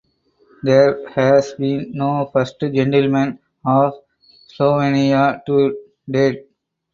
There has been no First Gentleman of Slovenia to date.